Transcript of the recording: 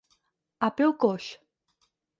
A peu coix.